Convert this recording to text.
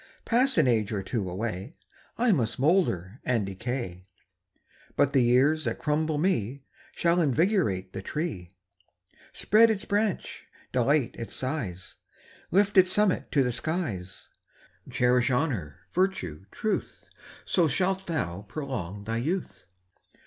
Pass an age or two away, I must moulder and decay, But the years that crumble me Shall invigorate the tree, Spread its branch, dilate its size, Lift its summit to the skies. Cherish honour, virtue, truth, So shalt thou prolong thy youth.